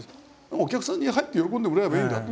お客さんに入って喜んでもらえればいいんだって。